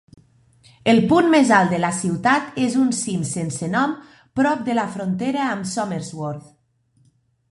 El punt més alt de la ciutat és un cim sense nom prop de la frontera amb Somersworth.